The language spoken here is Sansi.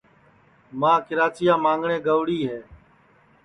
ماں کِراچِیا مانگٹؔیں گئوری ہے